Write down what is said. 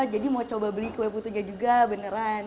jadi mau coba beli kue putunya juga beneran